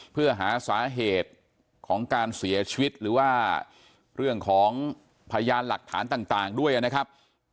เพื่อหาสาเหตุของการเสียชีวิตหรือว่าเรื่องของพยานหลักฐานต่างด้วยนะครับ